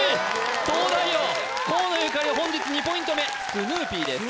東大王河野ゆかり本日２ポイント目スヌーピーです